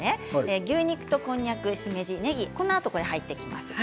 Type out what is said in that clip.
牛肉とこんにゃく、しめじねぎ、このあと入ってきます。